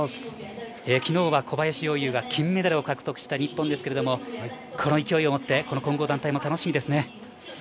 昨日は小林陵侑が金メダルを獲得した日本ですがこの勢いを持って混合団体も楽しみですね。